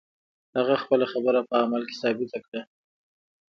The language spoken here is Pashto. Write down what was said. هغه خپله خبره په عمل کې ثابته کړه.